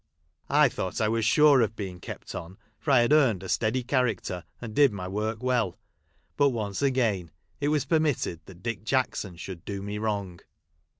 I thought I was sure of being kept on, for I had earned a steady character, and did my work well ; but once again it was permitted that Dick Jackson should do me wrong.